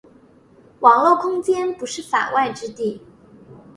网络空间不是“法外之地”。